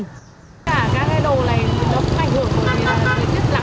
các cái đồ này nó cũng ảnh hưởng tới dứt lặng